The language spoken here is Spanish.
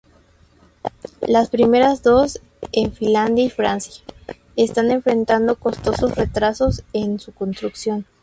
Las primeras dos, en Finlandia y Francia, están enfrentando costosos retrasos en su construcción.